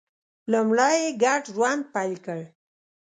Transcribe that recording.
لومړی یې ګډ ژوند پیل کړ